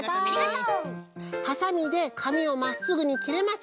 「はさみでかみをまっすぐにきれません。